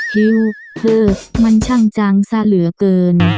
หิวเธอมันช่างจังซะเหลือเกิน